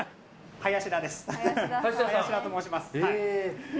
林田と申します。